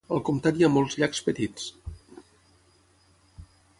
Al comtat hi ha molts llacs petits.